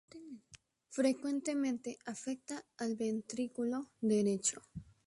Frecuentemente afecta al ventrículo derecho.